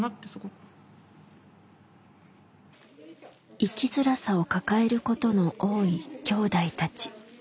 生きづらさを抱えることの多いきょうだいたち。